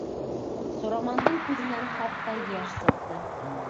Сурамандың күҙенән хатта йәш сыҡты.